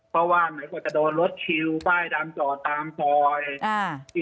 เพราะว่าไหนก็จะโดนรถคิวป้ายดำจอดตามซอยอ่า